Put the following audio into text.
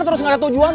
terus gak ada tujuan